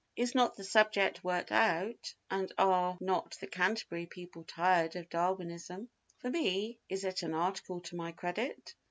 Is not the subject worked out, and are not the Canterbury people tired of Darwinism? For me—is it an article to my credit?